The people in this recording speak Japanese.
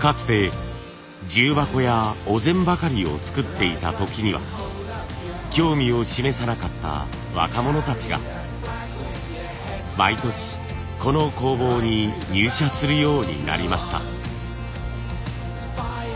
かつて重箱やお膳ばかりを作っていた時には興味を示さなかった若者たちが毎年この工房に入社するようになりました。